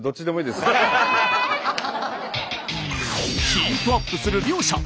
ヒートアップする両者。